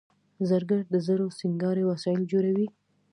زرګر د زرو سینګاري وسایل جوړوي